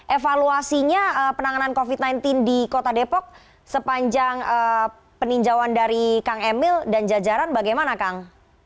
evaluasinya penanganan covid sembilan belas di kota depok sepanjang peninjauan dari kang emil dan jajaran bagaimana kang